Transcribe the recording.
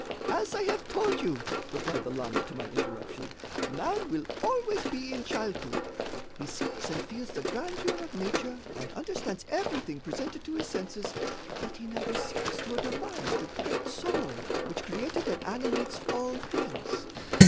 "As I have told you," replied the lama to my interruption, "man will always be in childhood. He sees and feels the grandeur of nature and understands everything presented to his senses, but he neither sees nor divines the Great Soul which created and animates all things.